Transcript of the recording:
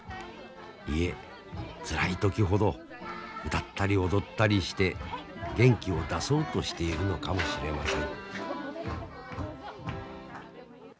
いえつらい時ほど歌ったり踊ったりして元気を出そうとしているのかもしれません。